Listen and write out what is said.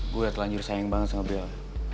gue telanjur sayang banget sama beliau